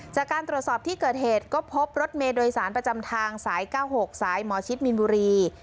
จากการตรวจสอบที่เกิดเหตุก็พบรถเมย์โดยสารประจำทางสาย๙๖สายหมอชิดมีนบุรี